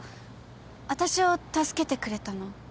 あたしを助けてくれたの？